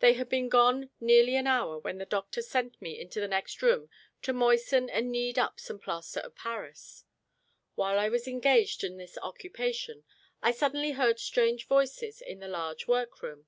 They had been gone nearly an hour when the doctor sent me into the next room to moisten and knead up some plaster of Paris. While I was engaged in this occupation, I suddenly heard strange voices in the large workroom.